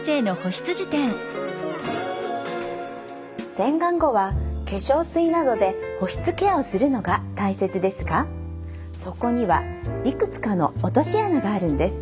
洗顔後は化粧水などで保湿ケアをするのが大切ですがそこにはいくつかの落とし穴があるんです。